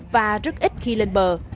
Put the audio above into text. và rất ít khi lên bờ